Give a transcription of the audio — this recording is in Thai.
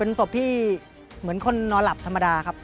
ศพพี่เหมือนคนนอนหลับธรรมดาครับ